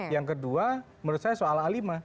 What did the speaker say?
yang kedua menurut saya soal a lima